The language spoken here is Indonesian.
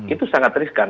itu sangat riskan